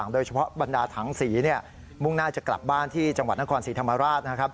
โดยเฉพาะบรรดาถังศรีมุ่งน่าจะกลับบ้านที่จังหวัดนครศรีธรรมราช